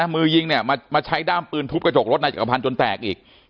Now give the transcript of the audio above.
มือยิงเนี่ยมาใช้ด้ามปืนทุบกระจกรถนายจักรพันธ์จนแตกอีก